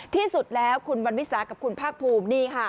ที่สุดแล้วคุณวันวิสากับคุณภาคภูมิ